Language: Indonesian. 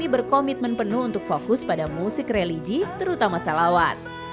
berkomitmen penuh untuk fokus pada musik religi terutama salawat